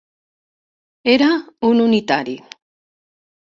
Era un unitari.